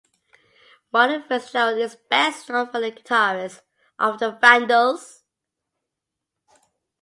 Warren Fitzgerald is best known for being the guitarist of The Vandals.